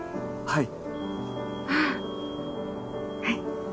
はい。